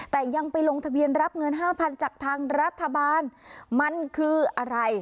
แต่ยังไปลงทะเบียนรับเงินห้าพันจากทางรัฐบาลมันคืออะไร